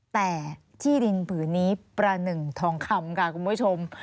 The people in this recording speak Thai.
แต่ที่ดินผืนนี้ประหนึ่งทองคำค่ะคุณผู้ชม